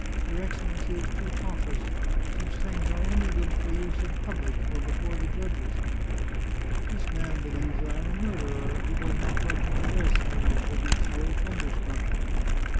Your Excellency is too 220 The Chartreuse of Parma cautious. Such things are only good for use in public or be fore the judges." " This man believes I am a murderer, and he does not love me the less," mused Fabrizio, thunder struck.